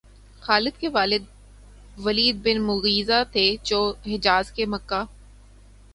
خالد کے والد Walid bin Mughira تھے، جو حجاز کے مکہ